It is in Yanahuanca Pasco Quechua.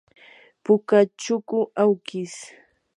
puka chuku awkish.